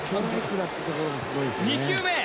「２球目」